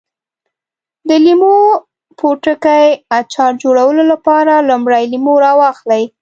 د لیمو پوټکي اچار جوړولو لپاره لومړی لیمو راواخلئ.